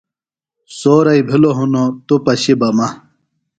سورئی بِھلوۡ ہِنوۡ توۡ پشیۡ بہ مہ۔